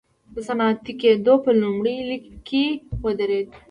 د صنعتي کېدو په لومړۍ لیکه کې ودرېد.